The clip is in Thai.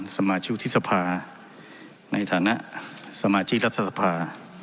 สมาชิกทิศภาในฐานะสมาชิกรัฐสภา